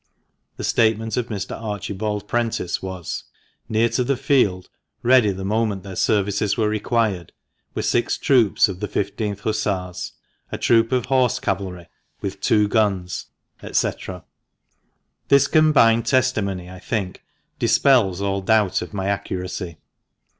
The statement of Mr. Archibald Prentice was — "Near to the field, ready the moment their services were required, were six troops of the I5th Hussars, a troop of horse aitillery with two guns" &c. This combined testimony, I think, dispels all doubt of my accuracy.